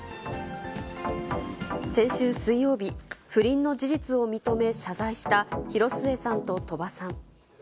先週水曜日、不倫の事実を認め、謝罪した広末さんと鳥羽さん。